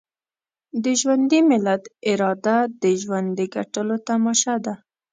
د ژوندي ملت اراده د ژوند د ګټلو تماشه ده.